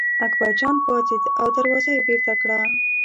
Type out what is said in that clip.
اکبرجان پاڅېد او دروازه یې بېرته کړه.